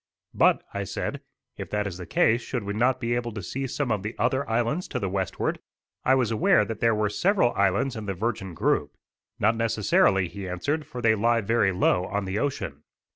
"But," I said, "if that is the case should we not be able to see some of the other islands to the westward?" I was aware that there were several islands in the Virgin Group. "Not necessarily," he answered, "for they lie very low on the ocean."